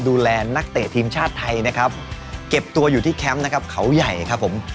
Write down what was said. ดูแลนักเตะทีมชาติไทยนะครับเก็บตัวอยู่ที่แคมป์นะครับเขาใหญ่ครับผม